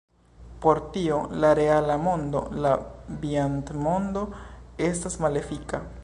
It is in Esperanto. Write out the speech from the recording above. Por tio, la reala mondo, la viandmondo, estas malefika.